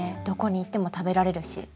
どこに行っても食べられるし。